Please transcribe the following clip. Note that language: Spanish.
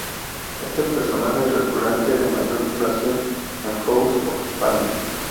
Él es el personaje recurrente de mayor duración en House of Payne.